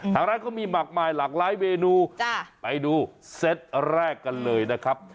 ทางร้านเขามีมากมายหลากหลายเมนูไปดูเซตแรกกันเลยนะครับ